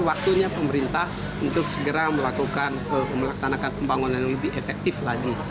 waktunya pemerintah untuk segera melakukan melaksanakan pembangunan yang lebih efektif lagi